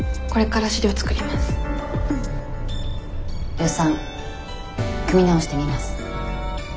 予算組み直してみます。